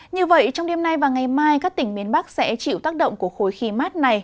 như vậy trong đêm nay và ngày mai các tỉnh miền bắc sẽ chịu tác động của khối khí mát này